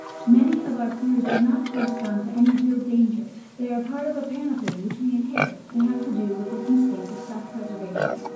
Many of our fears do not correspond to any real danger; they are part of a panoply which we inherit, and have to do with the instinct of self preservation.